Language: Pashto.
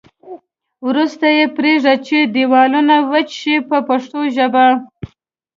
وروسته یې پرېږدي چې دېوالونه وچ شي په پښتو ژبه.